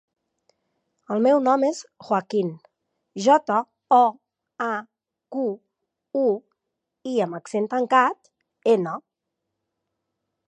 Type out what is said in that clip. El meu nom és Joaquín: jota, o, a, cu, u, i amb accent tancat, ena.